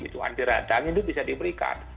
itu antiradang itu bisa diberikan